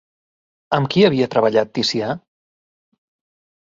Amb qui havia treballat Ticià?